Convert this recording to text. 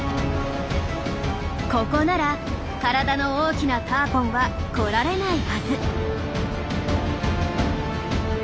ここなら体の大きなターポンは来られないはず。